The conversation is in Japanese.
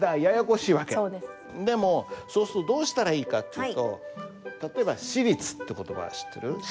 でもそうするとどうしたらいいかっていうと例えば「シリツ」って言葉は知ってる？